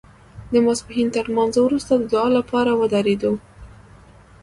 د ماسپښین تر لمانځه وروسته د دعا لپاره ودرېدو.